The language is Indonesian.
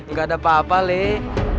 gak ada apa apa leh